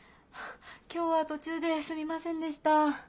今日は途中ですみませんでした。